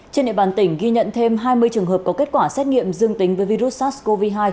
trên địa bàn tỉnh ghi nhận thêm hai mươi trường hợp có kết quả xét nghiệm dương tính với virus sars cov hai